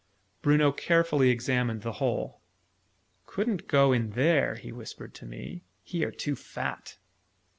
Bruno carefully examined the hole. "Couldn't go in there," he whispered to me. "He are too fat!"